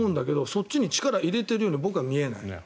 そっちに力を入れているように僕には見えない。